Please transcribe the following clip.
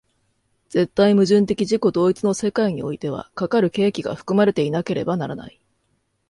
絶対矛盾的自己同一の世界においては、かかる契機が含まれていなければならない。